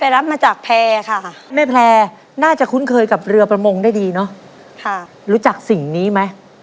รู้จักสิ่งนี้ไหม